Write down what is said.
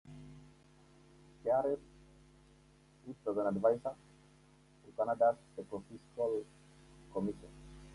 Charest sits as an advisor to Canada's Ecofiscal Commission.